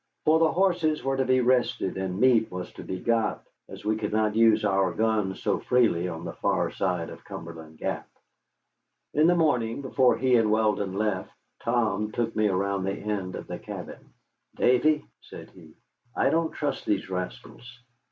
For the horses were to be rested and meat was to be got, as we could not use our guns so freely on the far side of Cumberland Gap. In the morning, before he and Weldon left, Tom took me around the end of the cabin. "Davy," said he, "I don't trust these rascals.